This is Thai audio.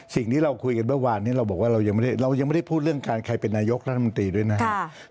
สิ่งที่เราคุยกันเมื่อวานนี้เราบอกว่าเรายังไม่ได้เรายังไม่ได้พูดเรื่องการใครเป็นนายกรัฐมนตรีด้วยนะครับ